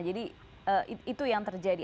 jadi itu yang terjadi